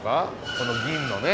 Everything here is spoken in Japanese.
この銀のね